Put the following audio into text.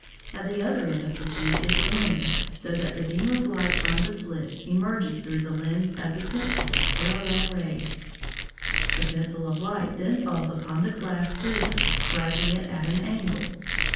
At the other end of the tube is a lens, so that the beam of light from the slit emerges through the lens as a pencil of parallel rays. The pencil of light then falls upon the glass prism, striking it at an angle.